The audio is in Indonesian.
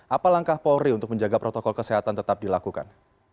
apa langkah polri untuk menjaga protokol kesehatan tetap dilakukan